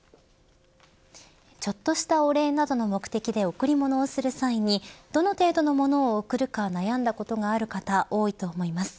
ちょっとしたお礼などの目的で贈り物をする際にどの程度のものを贈るか悩んだことがある方は多いと思います。